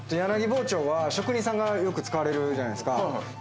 柳刃包丁は職人さんがよく使われるじゃないですか。